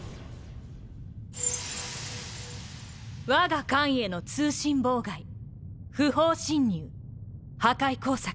わが艦への通信妨害不法侵入破壊工作。